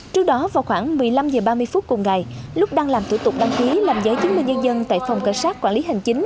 trước đó vào khoảng một mươi năm h ba mươi phút cùng ngày lúc đang làm thủ tục đăng ký làm giấy chứng minh nhân dân tại phòng cảnh sát quản lý hành chính